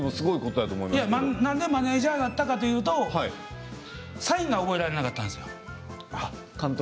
なんでマネージャーになったかというとサインが覚えられなかったんですよ。